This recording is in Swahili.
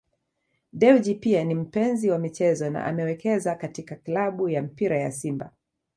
Dewji pia ni mpenzi wa michezo na amewekeza katika klabu ya mpira ya Simba